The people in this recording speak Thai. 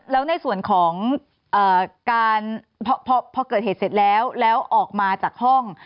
แล้วในส่วนของการพอเกิดเหตุเสร็จแล้วแล้วออกมาจากห้อง